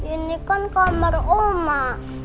ini kan kamar oma